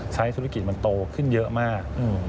ใช้ธุรกิจมันโตขึ้นเยอะมาก